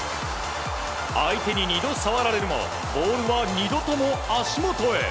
相手に２度触られるもボールは２度とも足元へ。